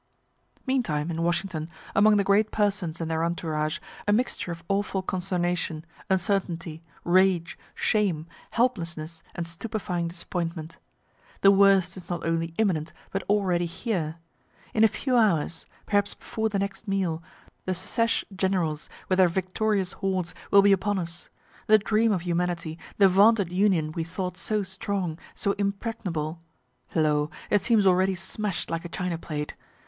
Meantime, in Washington, among the great persons and their entourage, a mixture of awful consternation, uncertainty, rage, shame, helplessness, and stupefying disappointment. The worst is not only imminent, but already here. In a few hours perhaps before the next meal the secesh generals, with their victorious hordes, will be upon us. The dream of humanity, the vaunted Union we thought so strong, so impregnable lo! it seems already smash'd like a china plate.